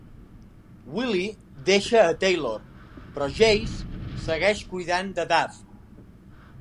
Wylie deixa a Taylor, però Jase segueix cuidant de Duff.